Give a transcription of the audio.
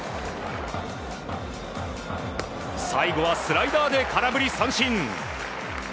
最後はスライダーで空振り三振。